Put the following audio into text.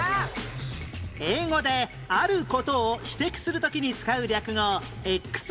英語である事を指摘する時に使う略語 ＸＹＺ